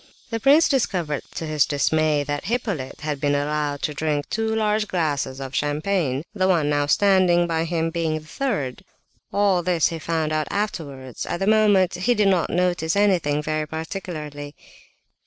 The prince discovered to his dismay that Hippolyte had been allowed to drink two large glasses of champagne; the one now standing by him being the third. All this he found out afterwards; at the moment he did not notice anything, very particularly.